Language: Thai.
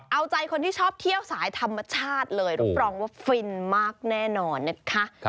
เอาใจคนที่ชอบเที่ยวสายธรรมชาติเลยรับรองว่าฟินมากแน่นอนนะคะ